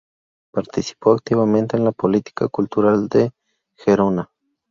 Participó activamente en la política cultural de Gerona.